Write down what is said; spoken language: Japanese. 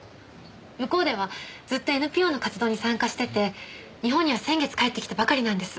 向こうではずっとＮＰＯの活動に参加してて日本には先月帰ってきたばかりなんです。